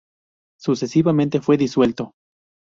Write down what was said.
Sucesivamente fue disuelto.